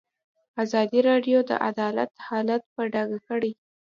ازادي راډیو د عدالت حالت په ډاګه کړی.